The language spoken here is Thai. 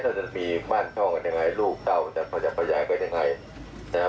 เราจะมีบ้านช่องกันอย่างไรลูกเก่าจะพยายามกันอย่างไร